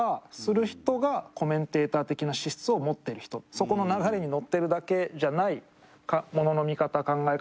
そこの流れに乗ってるだけじゃないものの見方考え方